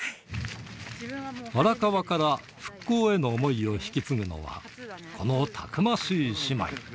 荒川から復興への想いを引き継ぐのは、このたくましい姉妹。